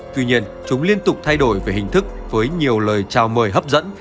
tuy nhiên chúng liên tục thay đổi về hình thức với nhiều lời chào mời hấp dẫn